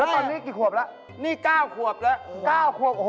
หาไม่ทัน